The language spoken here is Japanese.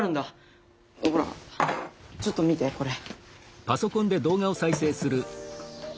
ほらちょっと見てこれ。